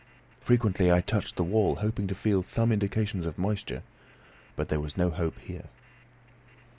Frequently I touched the wall, hoping to feel some indications of moisture: But there was no hope here.